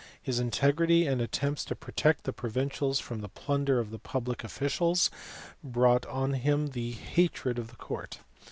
His integrity and attempts to protect the provincials from the plunder of the public officials brought on him the hatred of the Court.